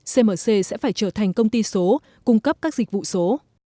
cmc sẽ phải trở thành công ty số cung cấp các dịch vụ số